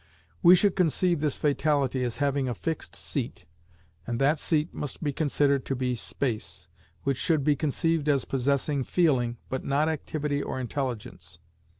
We should conceive this Fatality as having a fixed seat, and that seat must be considered to be Space, which should be conceived as possessing feeling, but not activity or intelligence.